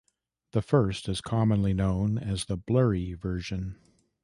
The first is commonly known as the "blurry" version.